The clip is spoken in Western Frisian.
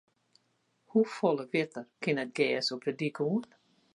Hoefolle wetter kin it gers op de dyk oan?